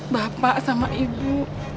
bapak sama ibu